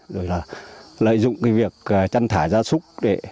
rồi lợi dụng việc chăn thả ra súc